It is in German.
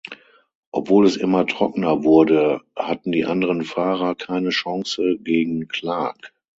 Obwohl es immer trockener wurde, hatten die anderen Fahrer keine Chance gegen Clark.